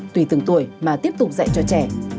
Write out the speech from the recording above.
tùy từng tuổi mà tiếp tục dạy cho trẻ